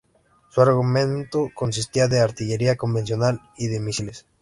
Su armamento consistía de artillería convencional y de misiles.